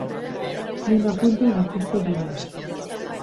Bina puntu dituzte biek.